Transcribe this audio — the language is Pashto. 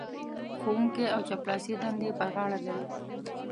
ښوونکی او چپړاسي دندې پر غاړه لري.